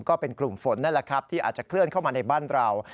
ก็เป็นกลุ่มฝนนั่นแหละครับที่อาจจะเคลื่อนเข้ามาในบ้านเรา